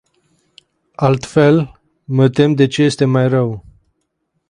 Altfel, mă tem de ce este mai rău.